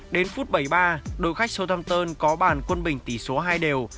đến phút bảy mươi ba đội khách shuthamton có bàn quân bình tỷ số hai đều